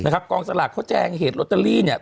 นะครับกองสลักเขาแจงเหตุโรตเตอรี่เนี่ย